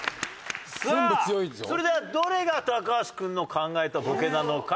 さあそれではどれが橋君の考えたボケなのかお考えください。